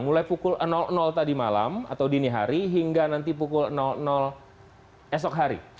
mulai pukul tadi malam atau dini hari hingga nanti pukul esok hari